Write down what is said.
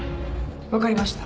わかりました。